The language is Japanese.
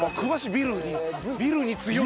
ビルに強い。